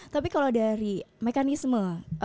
tapi kalau dari mekanisme